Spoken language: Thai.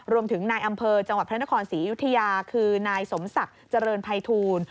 รวมถึงนายอำเภอจังหวัดพระนครศรีอยุธยาคือนายสมศักดิ์เจริญภัยทูล